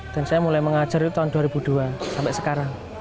saya mulai mengajar itu tahun dua ribu dua sampai sekarang